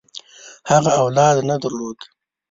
هغه اولاد نه درلود.